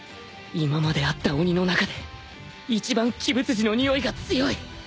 今まで会った鬼の中で一番鬼舞辻のにおいが強い